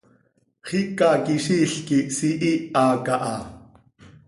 Xicaquiziil quih sihiiha caha.